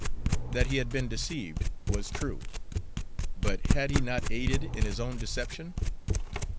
That he had been deceived was true. But had he not aided in his own deception?